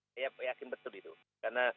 saya yakin betul itu karena